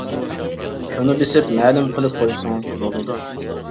شۇنى بېسىپ مەلۇم قىلىپ قويسىڭىز بولىدۇ.